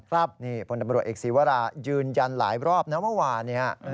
ครับนี่พนับรับเอกสีวราบยืนยันหลายรอบนะเมื่อวาน